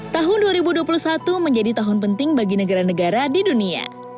tahun dua ribu dua puluh satu menjadi tahun penting bagi negara negara di dunia